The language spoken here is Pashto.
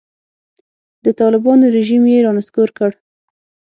د طالبانو رژیم یې رانسکور کړ.